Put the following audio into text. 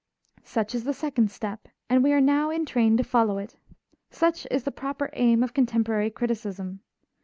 Such is the second step, and we are now in train to follow it out. Such is the proper aim of contemporary criticism.